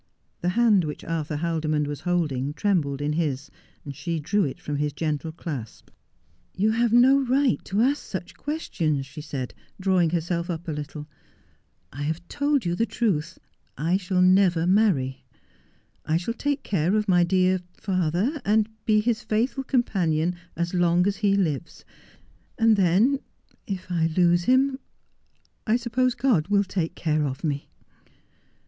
The hand which Arthur Haldimond was holding trembled in his. Sh« drew it from his gentle clasp. Morton's Brilliant Idea. 285 'You have no right to ask such questions,' she said, drawing herself up a little. ' I have told you the truth. I shall never marry. I shall take care of my dear — father — and be his faithful companion as long as he lives — and then — if — I lose him — I suppose God will take care of me.'